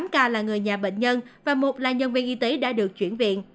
tám ca là người nhà bệnh nhân và một là nhân viên y tế đã được chuyển viện